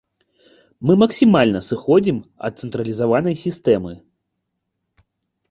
Мы максімальна сыходзім ад цэнтралізаванай сістэмы.